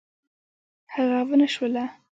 هغه ونشوله.